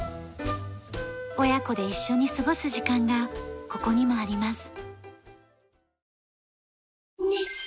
親子で一緒に過ごす時間がここにもあります。